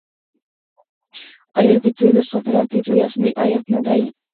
آیا د تیلو صادرات د دوی اصلي عاید نه دی؟